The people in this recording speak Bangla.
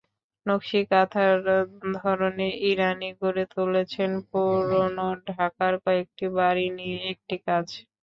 নকশিকাঁথার ধরনে ইরানী গড়ে তুলেছেন পুরোনো ঢাকার কয়েকটি বাড়ি নিয়ে একটি কাজ।